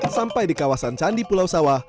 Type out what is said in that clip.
sampai di kawasan candi pulau sawah